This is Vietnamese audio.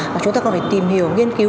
mà chúng ta còn phải tìm hiểu nghiên cứu